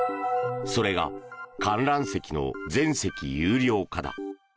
それが観覧席の全席有料化だ。